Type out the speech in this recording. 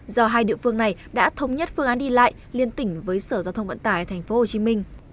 do hai địa phương này đã thống nhất phương án đi lại liên tỉnh với sở giao thông vận tải tp hcm